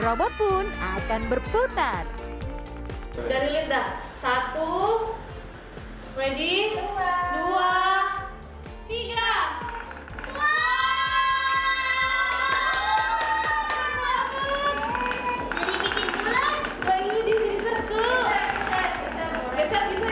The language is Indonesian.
robot pun akan berputar dari lidah satu ready dua tiga wow jadi bikin bulet